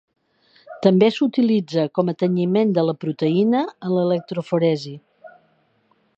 També s'utilitza com a tenyiment de la proteïna en l'electroforesi.